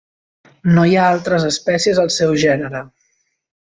No hi ha altres espècies al seu gènere.